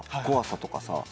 怖さとかさ